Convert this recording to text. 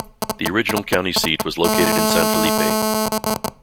The original county seat was located in San Felipe.